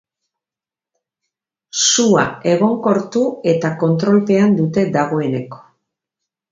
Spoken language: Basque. Sua egonkortu eta kontrolpean dute dagoeneko.